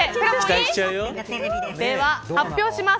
では発表します。